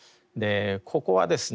ここはですね